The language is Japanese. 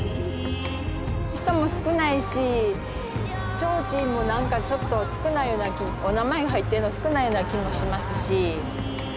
人も少ないしちょうちんもなんかちょっと少ないようなお名前が入ってるの少ないような気もしますし。